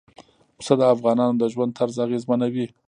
پسه د افغانانو د ژوند طرز اغېزمنوي.